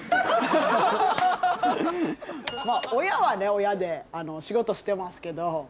親は親で仕事してますけど。